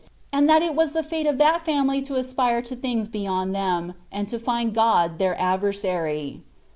and tliai It was the fate of that lamily to aspire to things beyond ihem, d to find God llieir adversary